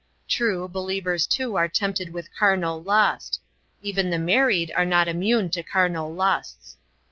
True, believers too are tempted with carnal lust. Even the married are not immune to carnal lusts.